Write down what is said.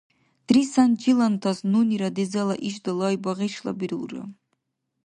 Трисанчилантас нунира дезала иш далай багъишлабирулра.